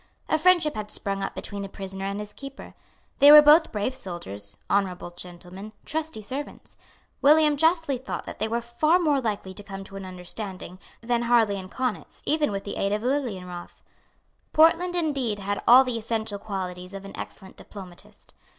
A friendship had sprung up between the prisoner and his keeper. They were both brave soldiers, honourable gentlemen, trusty servants. William justly thought that they were far more likely to come to an understanding than Harlay and Kaunitz even with the aid of Lilienroth. Portland indeed had all the essential qualities of an excellent diplomatist.